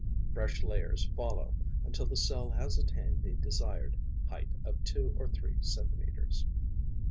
Fresh layers follow, until the cell has attained the desired height of two or three centimetres.